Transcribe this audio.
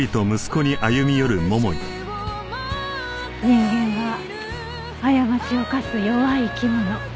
人間は過ちを犯す弱い生き物。